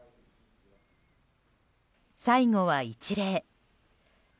最後は一礼。